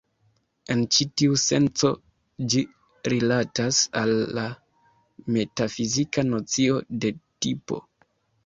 En ĉi tiu senco, ĝi rilatas al la metafizika nocio de 'tipo'.